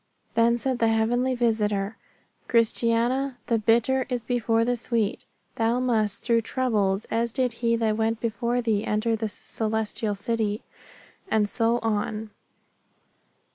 Then said the heavenly visitor, Christiana, the bitter is before the sweet. Thou must through troubles, as did he that went before thee, enter this celestial city." And so on.